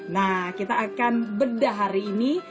nah kita akan bedah hari ini